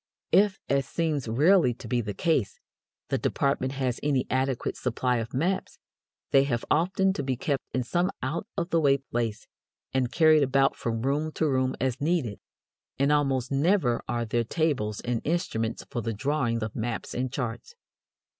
If, as seems rarely to be the case, the department has any adequate supply of maps, they have often to be kept in some out of the way place, and carried about from room to room as needed; and almost never are there tables and instruments for the drawing of maps and charts.